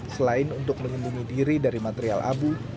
selain untuk melindungi diri dari material abu